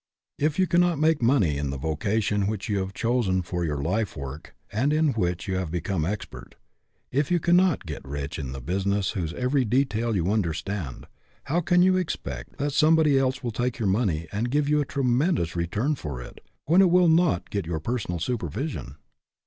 If you cannot make money in the vocation which you have chosen for your life work, and in which you have become expert ; if you can not get rich in the business whose every detail you understand; how can you expect that somebody else will take your money and give you a tremendous return for it, when it will not get your personal supervision